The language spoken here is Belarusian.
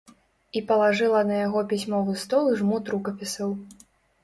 І палажыла на яго пісьмовы стол жмут рукапісаў.